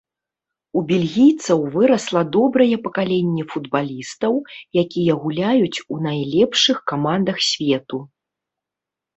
У бельгійцаў вырасла добрае пакаленне футбалістаў, якія гуляюць у найлепшых камандах свету.